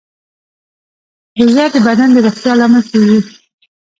روژه د بدن د روغتیا لامل کېږي.